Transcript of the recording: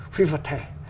phi vật thể